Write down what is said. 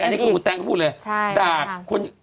อันนี้คุณแต๊งเขาพูดเลย